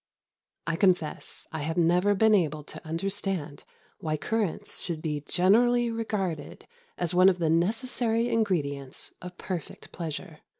I confess I have never been able to understand why currants should be generally regarded as one of the necessary ingredients of perfect pleasure.